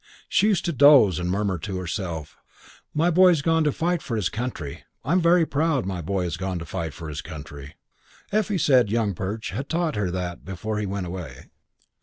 She used to doze and murmur to herself, "My boy's gone to fight for his country. I'm very proud of my boy gone to fight for his country." Effie said Young Perch had taught her that before he went away.